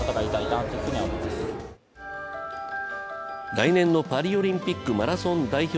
来年のパリオリンピックマラソン代表